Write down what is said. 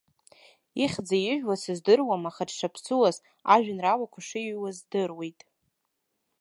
Ихьӡи ижәлеи сыздыруам, аха дшаԥсыуаз, ажәеинраалақәа шиҩуаз здыруеит.